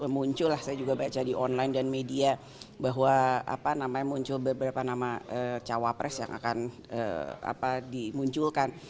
muncul lah saya juga baca di online dan media bahwa muncul beberapa nama cawapres yang akan dimunculkan